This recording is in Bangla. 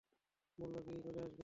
বললো, গিয়েই চলে আসবে।